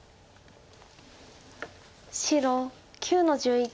白９の十一。